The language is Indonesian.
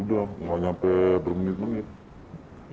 udah nggak nyampe berminit minit